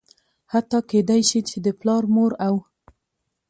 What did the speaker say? حتا کيدى شي چې د پلار ،مور او